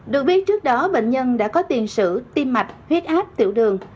được biết trước đó bệnh nhân đã có tiền sử tim mạch huyết áp tiểu đường